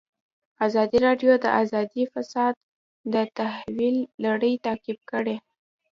ازادي راډیو د اداري فساد د تحول لړۍ تعقیب کړې.